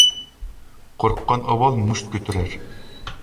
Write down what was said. قورققان ئاۋۋال مۇشت كۆتۈرەر.